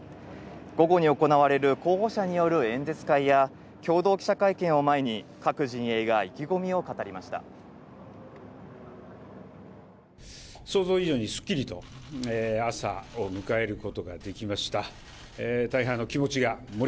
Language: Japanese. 午後に行われる候補者による演説会や共同記者会見を前に、各陣営が意気込みを語りました。